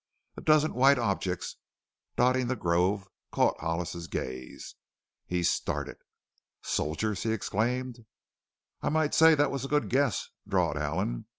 A dozen white objects dotting the grove caught Hollis's gaze. He started. "Soldiers!" he exclaimed. "I might say that was a good guess," drawled Allen.